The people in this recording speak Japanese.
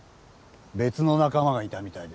別の仲間がいたみたいで。